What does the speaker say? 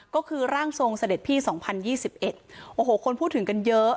ก็คือร่างทรงเสด็จพี่สองพันยี่สิบเอ็ดโอ้โหคนพูดถึงกันเยอะ